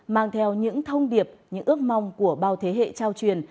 mang theo những thông điệp những ước mong của bao thế hệ trao truyền